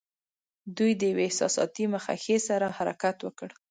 دوی د یوې احساساتي مخه ښې سره حرکت وکړ.